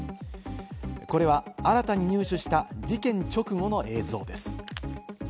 これは新たに入手した事件直後の映像です。